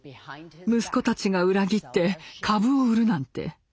息子たちが裏切って株を売るなんて。